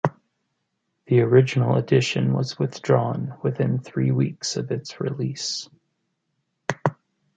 The original edition was withdrawn within three weeks of its release.